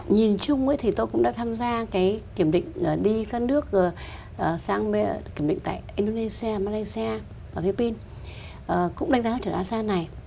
nhìn chung thì tôi cũng đã tham gia cái kiểm định đi các nước sang kiểm định tại indonesia malaysia và philippines cũng đánh giá thực asean này